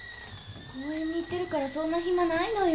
公園に行ってるからそんな暇ないのよ。